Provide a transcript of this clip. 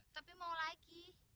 tapi mau lagi